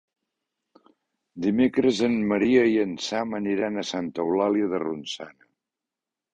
Dimecres en Maria i en Sam aniran a Santa Eulàlia de Ronçana.